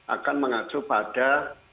akan mengacu pada